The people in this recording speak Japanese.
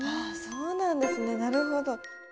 そうなんですねなるほど。